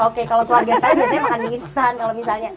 oke kalau keluarga saya biasanya makan mie instan kalau misalnya